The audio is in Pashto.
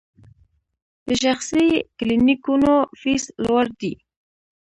د شخصي کلینیکونو فیس لوړ دی؟